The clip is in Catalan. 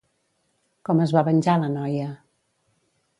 Com es va venjar la noia?